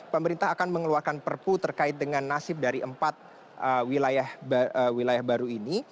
pemerintah akan mengeluarkan perpu terkait dengan nasib dari empat wilayah baru ini